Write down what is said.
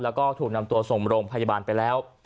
แล้วก็ถูกนำตัวส่งโรงพยาบาลไปแล้ว